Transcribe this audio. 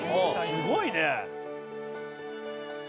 すごいね！